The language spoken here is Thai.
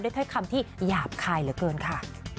ถ้อยคำที่หยาบคายเหลือเกินค่ะ